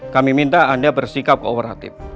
kami minta anda bersikap kooperatif